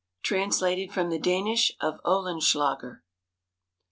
_Translated from the Danish of Oehlenschläger.